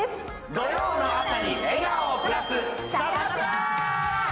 土曜の朝に笑顔をプラス、サタプラ！